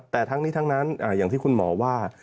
แต่ทั้งนี้ทั้งนั้นอย่างที่คุณหมอว่า